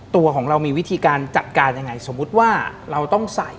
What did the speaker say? ตัวของเรามีวิธีการจัดการยังไงสมมุติว่าเราต้องใส่